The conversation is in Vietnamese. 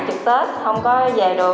trực tết không có về được